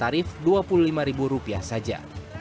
dua puluh lima rupiah saja